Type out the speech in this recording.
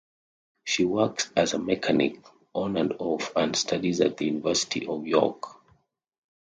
She works as a mechanic on-and-off and studies at the University of York.